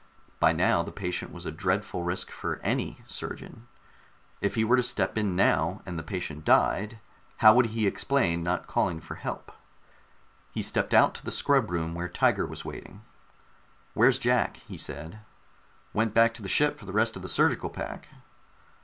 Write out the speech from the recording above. By now the patient was a dreadful risk for any surgeon. If he were to step in now, and the patient died, how would he explain not calling for help? He stepped out to the scrub room where Tiger was waiting. "Where's Jack?" he said. "Went back to the ship for the rest of the surgical pack."